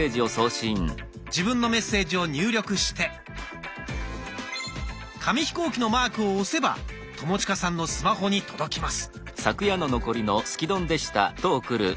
自分のメッセージを入力して紙飛行機のマークを押せば友近さんのスマホに届きます。